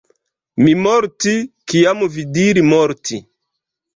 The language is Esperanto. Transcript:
Mi morti, kiam vi diri morti.